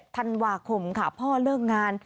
ธันวาคมค่ะพ่อเลิกงาน